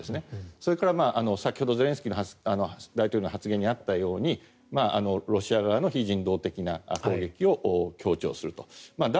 それから先ほどゼレンスキー大統領の発言にあったようにロシア側の非人道的な攻撃を強調すると。